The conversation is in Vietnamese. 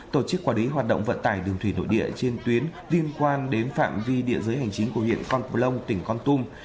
tổ chức quản lý hoạt động vận tải đường thủy nội địa trên tuyến liên quan đến phạm vi địa giới hành chính của huyện con plong tỉnh con tum